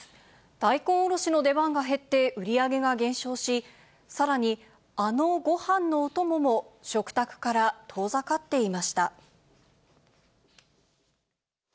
大根おろしの出番が減って売り上げが減少し、さらに、あのごはんのお供も食卓から遠ざかっていました。